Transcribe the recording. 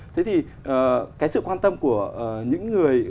thế thì cái sự quan tâm của những người